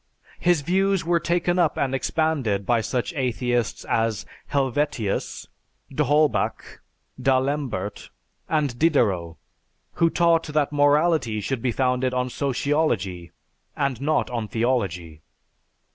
His views were taken up and expanded by such atheists as Helvetius, d'Holbach, d'Alembert, and Diderot, who taught that morality should be founded on sociology and not on theology.